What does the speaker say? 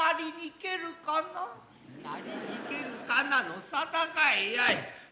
なりにけるかなの沙汰かいやい。